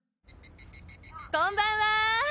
こんばんは！